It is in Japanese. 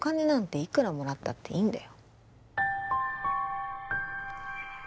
いくらもらったっていいんだよ